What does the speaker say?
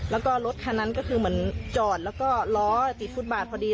แล้วก็รถคันนั้นก็คือเหมือนจอดแล้วก็ล้อติดฟุตบาทพอดี